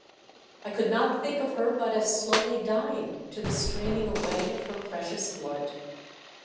I could not think of her but as slowly dying to the streaming away of her precious blood.